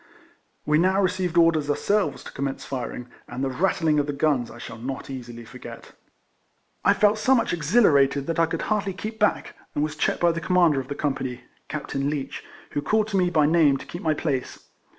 "We now received orders ourselves to commence firin<?, and the rattling of the guns I shall not easily forget. I felt so much exhilarated that I could hardly keep back, and was checked by the Commander of the company (Capt. Leech), who called to me by name to keep my place.